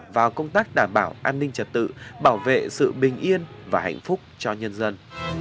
vào công tác đảm bảo an ninh trật tự bảo vệ sự bình yên và hạnh phúc cho nhân dân